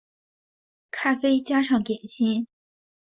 咖啡加上点心